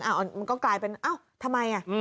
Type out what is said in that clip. เอ้ามันก็กลายเป็นเอ้าทำไมอ่ะ